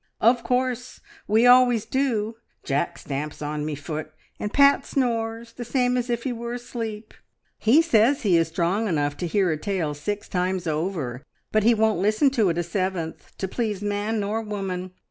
"Of course. We always do. Jack stamps on me foot, and Pat snores, the same as if he were asleep. He says he is strong enough to hear a tale six times over, but he won't listen to it a seventh, to please man nor woman.